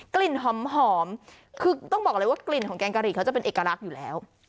กลิ่นหอมคือต้องบอกเลยว่ากลิ่นของแกงกะหรี่เขาจะเป็นเอกลักษณ์อยู่แล้ว